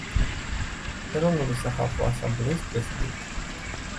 ეროვნული სახალხო ასამბლეის პრეზიდენტი.